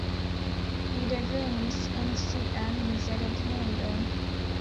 Li revenis en sian mezlernejon.